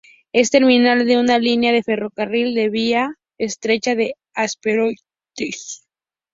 Es terminal de una línea de ferrocarril de vía estrecha a Apsheronsk.